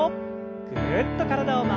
ぐるっと体を回して。